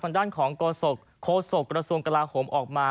ทางด้านของโคสกโคสกประสูงกราโฮมออกมา